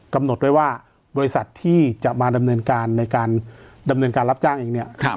กำหนดไว้ว่าบริษัทที่จะมาดำเนินการในการดำเนินการรับจ้างเองเนี่ย